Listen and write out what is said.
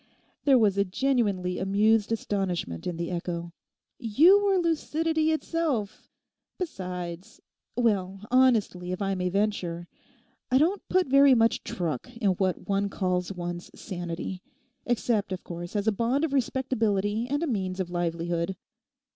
There was a genuinely amused astonishment in the echo. 'You were lucidity itself. Besides—well, honestly, if I may venture, I don't put very much truck in what one calls one's sanity: except, of course, as a bond of respectability and a means of livelihood.